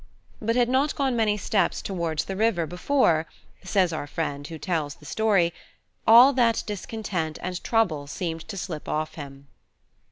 but had not gone many steps towards the river before (says our friend who tells the story) all that discontent and trouble seemed to slip off him.